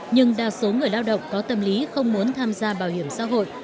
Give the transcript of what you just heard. nhưng đa số người lao động có tâm lý không muốn tham gia bảo hiểm xã hội